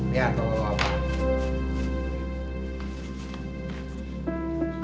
liat tuh apa